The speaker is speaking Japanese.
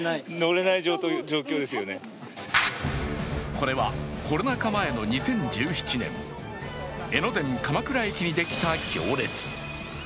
これはコロナ禍前の２０１７年、江ノ電・鎌倉駅にできた行列。